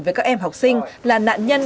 với các em học sinh là nạn nhân